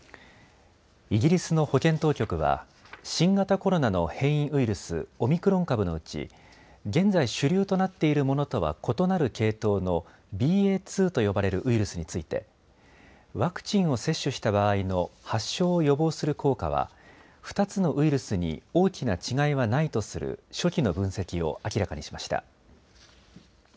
イギリスの保健当局は、新型コロナの変異ウイルス、オミクロン株のうち現在、主流となっているものとは異なる系統のＢＡ．２と呼ばれるウイルスについてワクチンを接種した場合の発症を予防する効果は２つのウイルスに大きな違いはないとする初期の分析を明らかにしました。